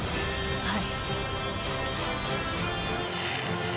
はい。